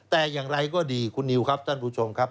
แต่อย่างไรก็ดีคุณนิวครับท่านผู้ชมครับ